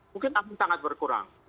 mungkin akan sangat berkurang